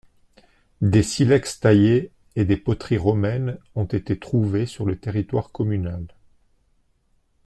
Des silex taillés et des poteries romaines ont été trouvées sur le territoire communal.